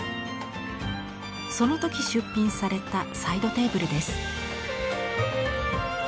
その時出品されたサイドテーブルです。